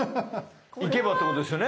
いけばってことですよね。